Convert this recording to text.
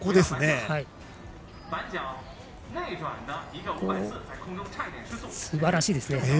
すばらしいですね